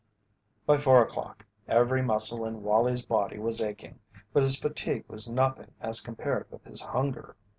By four o'clock every muscle in Wallie's body was aching, but his fatigue was nothing as compared with his hunger.